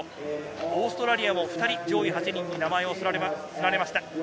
オーストラリアも２人、上位８人に名前を連ねました。